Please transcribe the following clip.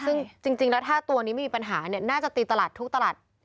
ซึ่งจริงแล้วถ้าตัวนี้ไม่มีปัญหาเนี่ยน่าจะตีตลาดทุกตลาด